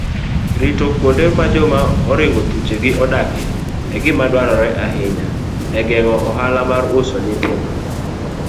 Ritokuondemajomaoringothuchegiodakieengimadwaroreahinyaegeng'oohalamarusonyithindo.